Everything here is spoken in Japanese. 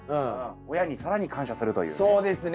親に更に感謝するというね。